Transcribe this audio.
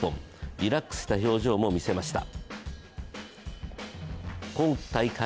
リラックスした表情も見せました。